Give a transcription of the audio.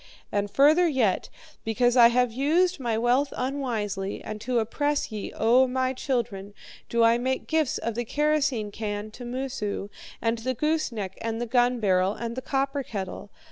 "'And further yet, because I have used my wealth unwisely, and to oppress ye, O my children, do I make gifts of the kerosene can to Moosu, and the gooseneck, and the gun barrel, and the copper kettle.